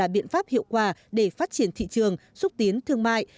biện pháp hiệu quả để phát triển thị trường xúc tiến thương mại